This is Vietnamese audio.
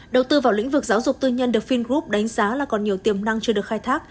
đầu tư vào lĩnh vực giáo dục tư nhân được fingroup đánh giá là còn nhiều tiềm năng chưa được khai thác